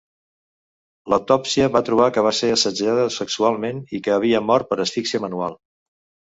L'autòpsia va trobar que va ser assetjada sexualment i que havia mort per asfixia manual.